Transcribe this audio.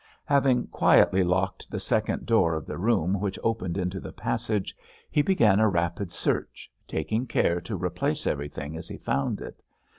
Having quietly locked the second door of the room which opened into the passage, he began a rapid search, taking care to replace everything as he found it.